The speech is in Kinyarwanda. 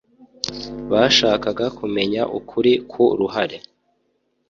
bashakaga kumenya ukuri ku ruhare